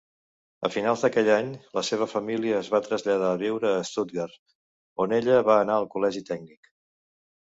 A finals d'aquell any, la seva família es va traslladar a viure a Stuttgart, on ella va anar al Col·legi tècnic.